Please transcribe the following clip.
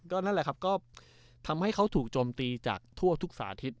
นั่นแหละครับก็ทำให้เขาถูกโจมตีจากทั่วทุกสาธิต